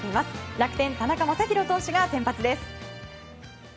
楽天の田中将大投手が先発です。